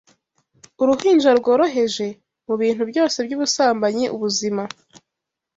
Uruhinja rworoheje! mubintu byose byubusambanyi Ubuzima